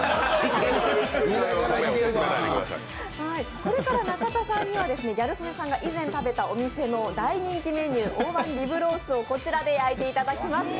これから中田さんにはギャル曽根さんが以前食べたメニュー大判リブロースをこちらで焼いていただきます。